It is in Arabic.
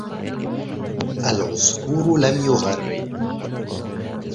الْعَصْفُورُ لَمْ يُغَرِّدْ.